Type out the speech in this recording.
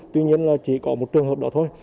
tuy nhiên là chỉ có một trường hợp đó thôi